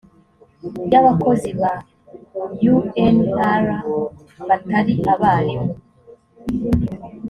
ry abakozi ba unr batari abarimu